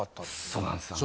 そうなんですよ。